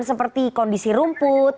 seperti kondisi rumput